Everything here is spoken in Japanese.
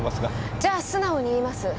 じゃあ素直に言います。